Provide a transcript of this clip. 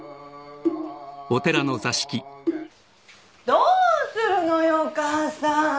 どうするのよお母さん。